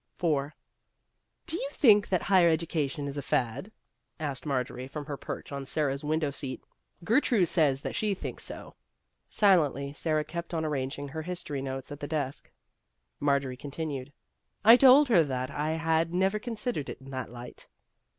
IV " Do you think that higher education is a fad ?" asked Marjorie from her perch on Sara's window seat " Gertrude says that she thinks so." Silently Sara kept on arranging her his tory notes at the desk. Marjorie continued :" I told her that I had never considered it in that light."